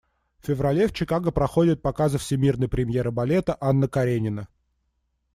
В феврале в Чикаго проходят показы всемирной премьеры балета «Анна Каренина».